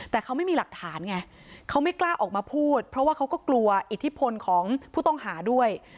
แต่เขาไม่มีหลักฐานไงเขาไม่กล้าออกมาพูดเพราะว่าเขาก็กลัวอิทธิพลของผู้ต้องหาด้วย